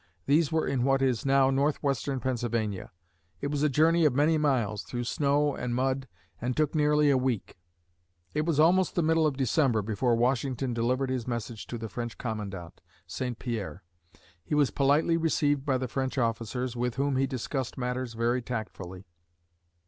These were in what is now northwestern Pennsylvania. It was a journey of many miles through snow and mud and took nearly a week. [Illustration: Starting for the French Camp] It was almost the middle of December before Washington delivered his message to the French commandant, Saint Pierre. He was politely received by the French officers, with whom he discussed matters very tactfully.